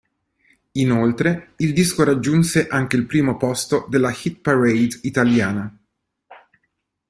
Inoltre il disco raggiunse anche il primo posto della hit parade italiana.